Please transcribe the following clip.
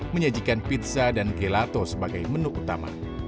menyajikan pizza dan gelato sebagai menu utama